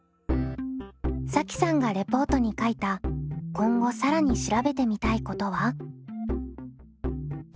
さきさんがレポートに書いた今後更に調べてみたいことは？